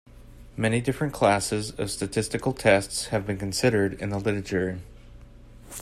Many different classes of statistical tests have been considered in the literature.